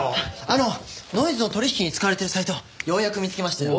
あのノイズの取引に使われているサイトようやく見つけましたよ。